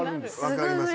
分かります